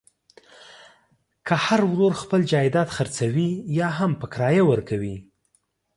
که هر ورور خپل جایداد خرڅوي یاهم په کرایه ورکوي.